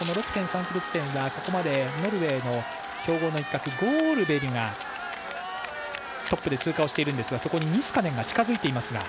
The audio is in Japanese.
６．３ｋｍ地点はここまでノルウェーの強豪の一角ゴールベリがトップで通過しているんですがそこにニスカネンが近づいています。